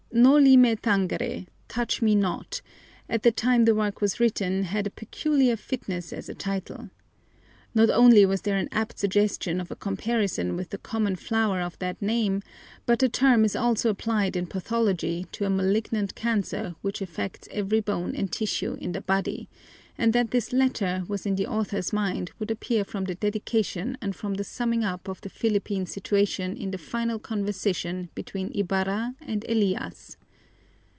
Noli Me Tangere ("Touch Me Not") at the time the work was written had a peculiar fitness as a title. Not only was there an apt suggestion of a comparison with the common flower of that name, but the term is also applied in pathology to a malignant cancer which affects every bone and tissue in the body, and that this latter was in the author's mind would appear from the dedication and from the summing up of the Philippine situation in the final conversation between Ibarra and Elias.